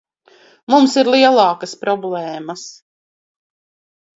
Mums ir lielākas problēmas.